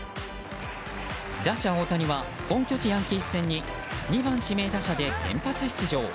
打者・大谷は本拠地ヤンキース戦２番指名打者で先発出場。